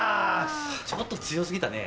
ちょっと強過ぎたね。